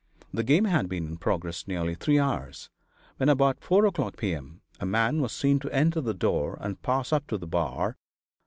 The game had been in progress nearly three hours, when about 4 o'clock, P. M., a man was seen to enter the door and pass up to the bar.